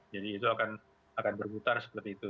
jadi itu akan berputar seperti itu